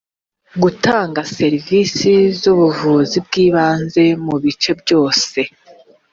gutanga serivisi z ubuvuzi bw ibanze mu bice byose